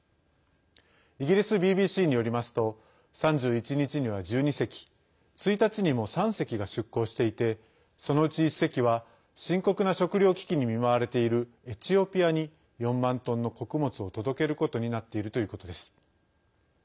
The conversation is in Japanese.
イギリスＢＢＣによりますと３１日には１２隻１日にも３隻が出航していてそのうち１隻は深刻な食料危機に見舞われているエチオピアに４万トンの穀物を届けることになっているということです。